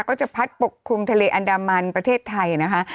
ก็จะพัดปกคลุมทะเลอันดามันประเทศไทยนะคะ